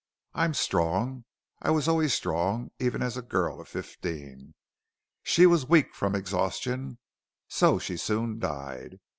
I am strong I was always strong, even as a girl of fifteen. She was weak from exhaustion, so she soon died.